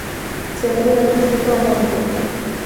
Centro del distrito homónimo.